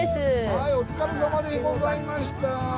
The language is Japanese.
はいお疲れさまでございました。